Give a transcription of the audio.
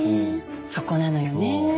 そこなのよねえ。